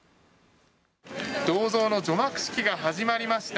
銅像の除幕式が始まりました。